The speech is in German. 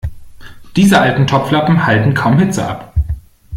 Diese alten Topflappen halten kaum Hitze ab.